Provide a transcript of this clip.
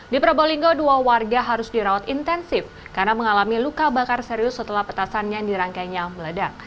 di probolinggo dua warga harus dirawat intensif karena mengalami luka bakar serius setelah petasan yang dirangkainya meledak